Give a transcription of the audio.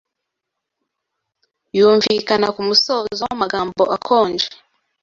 yumvikana ku musozo w'amagambo “akonje”